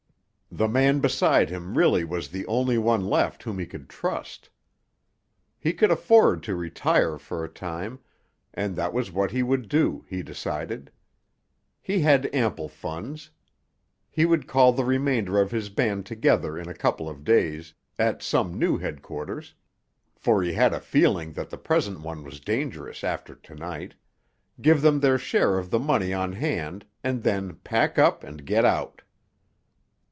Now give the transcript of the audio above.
The man beside him really was the only one left whom he could trust. He could afford to retire for a time, and that was what he would do, he decided. He had ample funds. He would call the remainder of his band together in a couple of days, at some new headquarters—for he had a feeling that the present one was dangerous after to night—give them their share of the money on hand, and then pack up and get out.